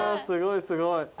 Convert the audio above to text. すごいすごい。